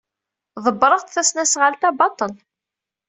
Ḍebbreɣ-d tasnasɣalt-a baṭel.